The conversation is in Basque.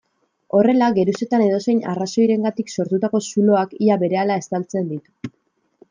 Horrela, geruzetan edozein arrazoirengatik sortutako zuloak ia berehala estaltzen ditu.